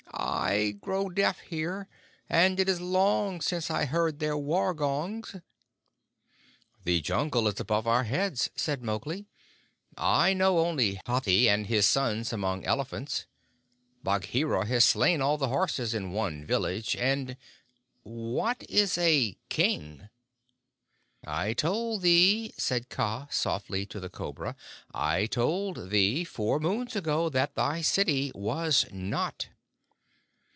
I grow deaf here, and it is long since I heard their war gongs." "The Jungle is above our heads," said Mowgli. "I know only Hathi and his sons among elephants. Bagheera has slain all the horses in one village, and what is a King?" "I told thee," said Kaa softly to the Cobra "I told thee, four moons ago, that thy city was not."